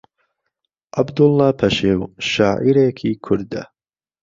عەبدوڵڵا پەشێو شاعیرێکی کوردە